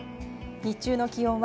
日中の気温は